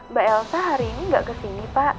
mbak elsa hari ini nggak kesini pak